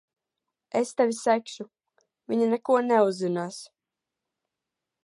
Es tevi segšu. Viņa neko neuzzinās.